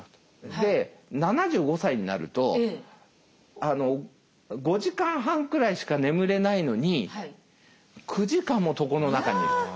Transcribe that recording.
で７５歳になると５時間半くらいしか眠れないのに９時間も床の中にいると。